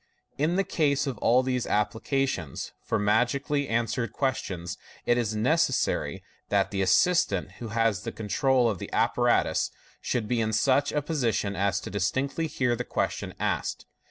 In the case of all these appliances for magically answering ques tions, it is necessary that the assistant who has the control of the apparatus should be in such a position as to distinctly hear the ques tions asked.